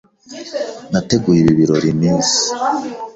Nateguye ibi birori iminsi.